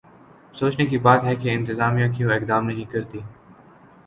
سوچنے کی بات ہے کہ انتظامیہ کیوں اقدام نہیں کرتی؟